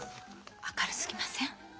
明るすぎません？